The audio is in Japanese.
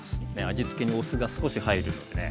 味つけにお酢が少し入るのでね